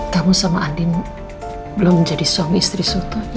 kamu sama andin belum jadi suami istri suto